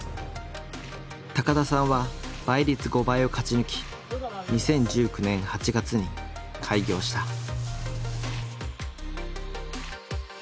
高田さんは倍率５倍を勝ち抜き２０１９年８月に開業した。